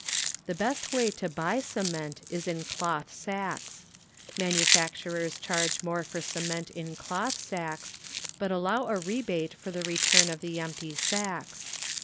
The best way to buy cement is in cloth sacks. Manufacturers charge more for cement in doth sacks, but allow a rebate for the return of the emp^ sacks.